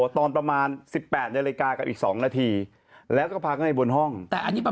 ตอนประมาณสิบแปดในรายการกับอีกสองนาทีแล้วก็พากันให้บนห้องแต่อันนี้